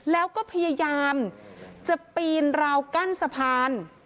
แล้วก็พยายามจะปีนราวกั้นสะพาน